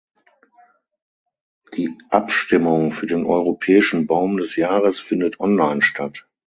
Die Abstimmung für den europäischen Baum des Jahres findet online statt.